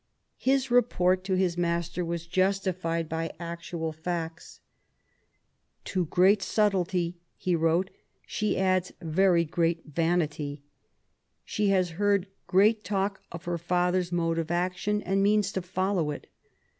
His report to his master was justified by actual facts. THE YOUTH OF ELIZABETH, 41 '* To great subtlety/' he wrote, she adds very great vanity. She has heard great talk of her father's mode of action, and means to follow it.